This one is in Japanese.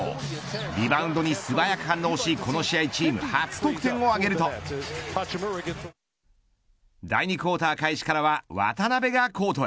リバウンドに素早く反応しこの試合チーム初得点を挙げると第２クオーター開始からは渡邊がコートへ。